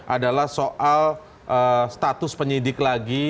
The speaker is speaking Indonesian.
adalah soal status penyidik lagi